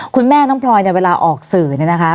คุณแม่น้องพลอยเวลาออกสื่อนะคะ